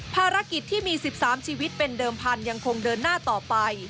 ภารกิจที่มี๑๓ชีวิตเป็นเดิมพันธุ์ยังคงเดินหน้าต่อไป